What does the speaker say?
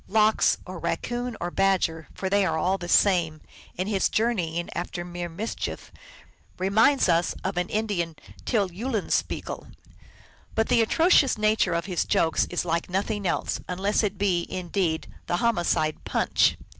Lox, or Raccoon, or Badger, for they are all the same, in his journey ings after mere mischief reminds us of an Indian Tyll Eulenspiegel. But the atrocious nature of his jokes is like nothing else, unless it be indeed the homicide Punch.